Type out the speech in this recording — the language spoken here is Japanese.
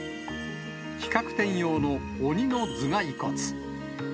企画展用の鬼の頭蓋骨。